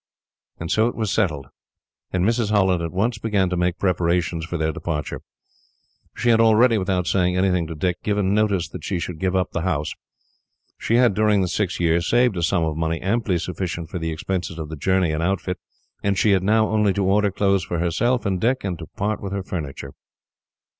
And so it was settled, and Mrs. Holland at once began to make preparations for their departure. She had already, without saying anything to Dick, given notice that she should give up the house. She had, during the six years, saved a sum of money amply sufficient for the expenses of the journey and outfit, and she had now only to order clothes for herself and Dick, and to part with her furniture.